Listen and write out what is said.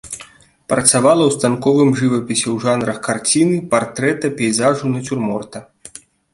Працавала ў станковым жывапісе ў жанрах карціны, партрэта, пейзажу, нацюрморта.